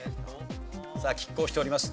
さあ拮抗しております。